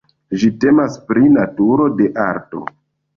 Ĝi temas pri naturo de arto.